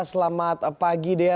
selamat pagi dea